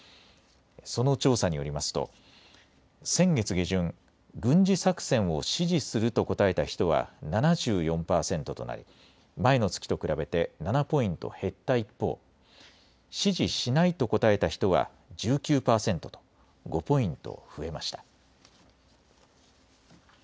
その調査によりますと先月下旬、軍事作戦を支持すると答えた人は７４％となり前の月と比べて７ポイント減った一方、支持しないと答えた人は１９％と５ポイント増えました。